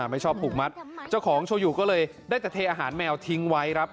ไม่ชอบหลุมัดเจ้าของชโยูก็ได้จะเทอาหารแมวทิ้งไว้